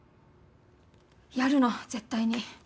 やるの絶対に。